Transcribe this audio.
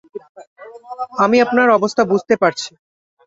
আমি আপনার অবস্থা বুঝতে পারছি।